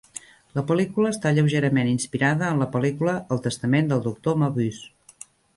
La pel·lícula està lleugerament inspirada en la pel·lícula "El testament del doctor Mabuse".